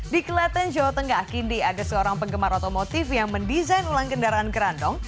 di kelatan jawa tenggak kindi ada seorang penggemar otomotif yang mendesain ulang kendaraan gerandong